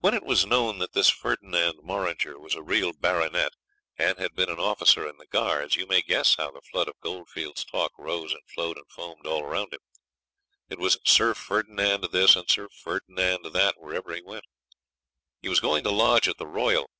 When it was known that this Ferdinand Morringer was a real baronet and had been an officer in the Guards, you may guess how the flood of goldfields' talk rose and flowed and foamed all round him. It was Sir Ferdinand this and Sir Ferdinand that wherever you went. He was going to lodge at the Royal.